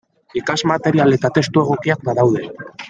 Ikasmaterial eta testu egokiak badaude.